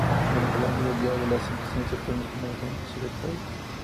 Durante la mañana del día de la votación surgieron las primeras denuncias de fraude.